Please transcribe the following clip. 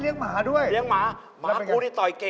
เอาซะถูก